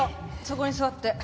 そこに座って。